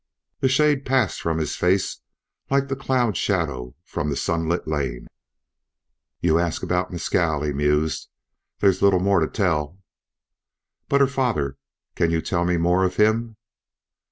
The shade passed from his face like the cloud shadow from the sunlit lane. "You ask about Mescal," he mused. "There's little more to tell." "But her father can you tell me more of him?"